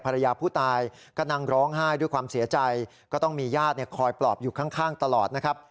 ภรรยาผู้ตายก็นั่งร้องไห้ด้วยความเสียใจก็ต้องมีญาติคอยปลอบอยู่ข้างตลอดนะครับ